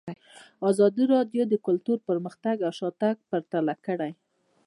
ازادي راډیو د کلتور پرمختګ او شاتګ پرتله کړی.